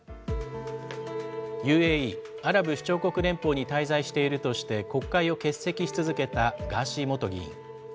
ＵＡＥ・アラブ首長国連邦に滞在しているとして、国会を欠席し続けたガーシー元議員。